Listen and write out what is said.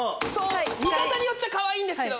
見方によっちゃかわいいけど。